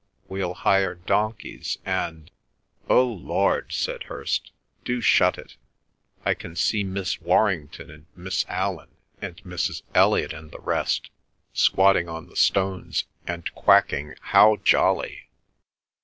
We'll hire donkeys and—" "Oh, Lord!" said Hirst, "do shut it! I can see Miss Warrington and Miss Allan and Mrs. Elliot and the rest squatting on the stones and quacking, 'How jolly!